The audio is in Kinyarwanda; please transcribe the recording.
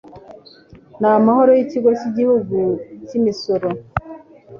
n'amahoro yikigo kiguihugu kimisoro